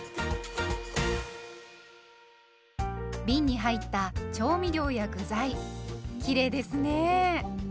びんに入った調味料や具材きれいですね。